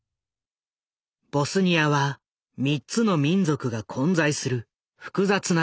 ボスニアは３つの民族が混在する複雑な国家。